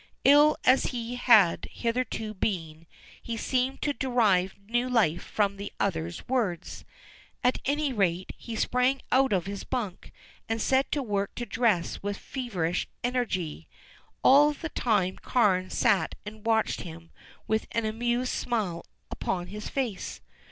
Ill as he had hitherto been, he seemed to derive new life from the other's words. At any rate, he sprang out of his bunk, and set to work to dress with feverish energy. All the time Carne sat and watched him with an amused smile upon his face.